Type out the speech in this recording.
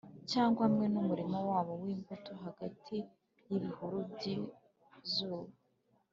cyangwa hamwe numurima wabo wimbuto hagati yibihuru byizuba